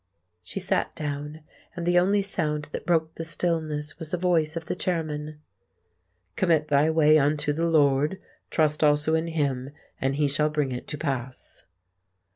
She sat down, and the only sound that broke the stillness was the voice of the chairman— "Commit thy way unto the Lord; trust also in Him; and He shall bring it to pass."